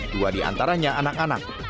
dua di antaranya anak anak